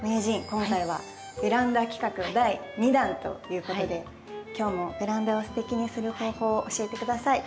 今回はベランダ企画の第２弾ということで今日もベランダをすてきにする方法を教えて下さい。